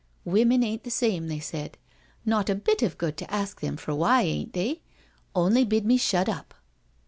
' Women ain't the same/ they said. Not a bit of good to ask them for why ain't they? — only bid me shut up.